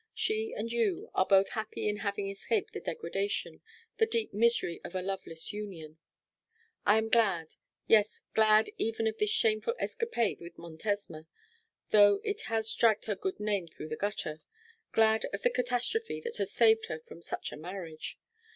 She and you are both happy in having escaped the degradation, the deep misery of a loveless union. I am glad yes, glad even of this shameful escapade with Montesma though it has dragged her good name through the gutter, glad of the catastrophe that has saved her from such a marriage.